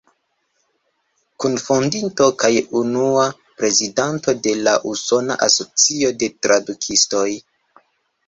Kunfondinto kaj unua prezidanto de l' Usona Asocio de Tradukistoj.